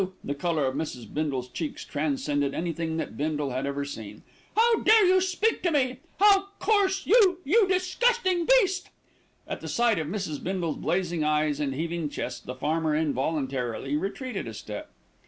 The colour of Mrs. Bindle's cheeks transcended anything that Bindle had ever seen. "How dare you speak to me! How you coarse you you disgusting beast!" At the sight of Mrs. Bindle's blazing eyes and heaving chest, the farmer involuntarily retreated a step.